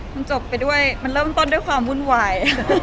มันจบไปด้วยมันเริ่มต้นด้วยความวุ่นวาย